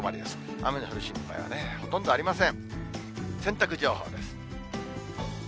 雨の降る心配はね、ほとんどありません。